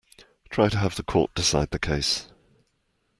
Try to have the court decide the case.